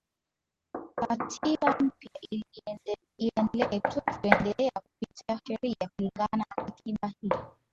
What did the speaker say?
katiba mpya iendelee tu tuendelea kupita sheria kulingana na katiba hii